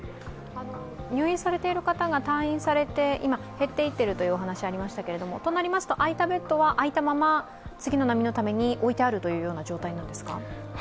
入院されている方が退院されて減っていっているというお話がありましたが空いたベッドは空いたまま次の波のために置いてあるという状態なんですか？